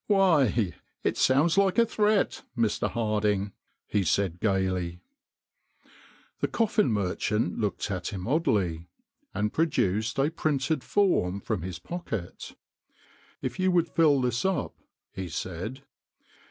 "Why, it sounds like a threat, Mr. Harding !" he said gaily. The coffin merchant looked at him oddly, and produced a printed form from his pocket. " If you would fill this up," he said.